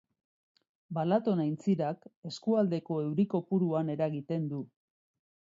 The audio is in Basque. Balaton aintzirak eskualdeko euri kopuruan eragiten du.